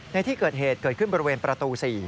ในที่เกิดเหตุเกิดขึ้นบริเวณประตู๔